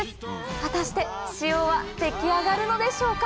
果たして塩は出来上がるのでしょうか？